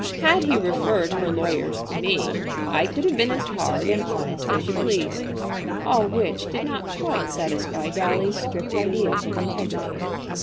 Had he referred her lawyers to me I could have been as hard and honest as you please." All which did not quite satisfy Dolly's strict ideas of integrity.